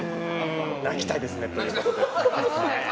泣きたいですね、ということで。